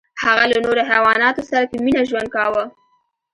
هغه له نورو حیواناتو سره په مینه ژوند کاوه.